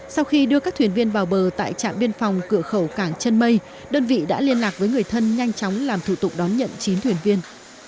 sau khi đưa các thuyền viên vào bờ tại trạm biên phòng cửa khẩu cảng chân mây đơn vị đã liên lạc với người thân nhanh chóng làm thủ tục đón nhận chín thuyền viên